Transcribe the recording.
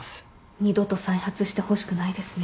二度と再発してほしくないですね。